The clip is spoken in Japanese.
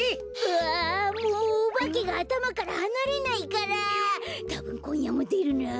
あもうおばけがあたまからはなれないからたぶんこんやもでるな。